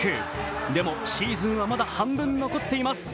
でもシーズンはまだ半分残っています、